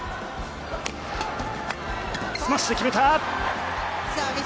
スマッシュで決めた！